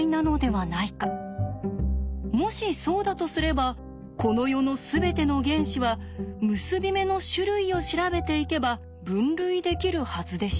もしそうだとすればこの世の全ての原子は結び目の種類を調べていけば分類できるはずでした。